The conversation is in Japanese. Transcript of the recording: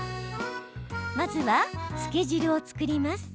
まずは、つけ汁を作ります。